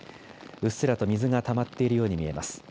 うっすらと水がたまっているように見えます。